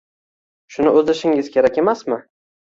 Shuni o’ziishingiz kerak emasmi?